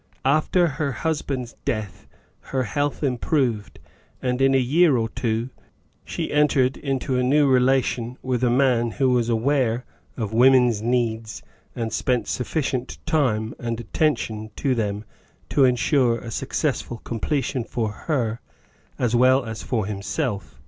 After her husband's death her health improved, and in a year or two she entered into a new relation with a man who was aware of women's needs and spent sufficient time and attention to them to ensure a successful completion for her as well as for himself.